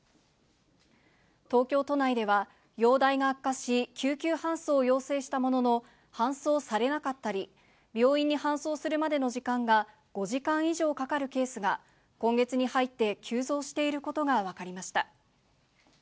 東京都内では、容体が悪化し、救急搬送を要請したものの搬送されなかったり、病院に搬送するまでの時間が５時間以上かかるケースが、今月に入って急増していることが分かりました。